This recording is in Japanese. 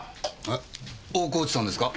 えっ大河内さんですか？